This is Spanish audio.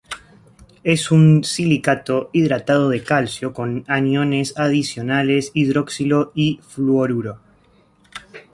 Es un silicato hidratado de calcio con aniones adicionales hidroxilo y fluoruro.